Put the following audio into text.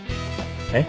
えっ？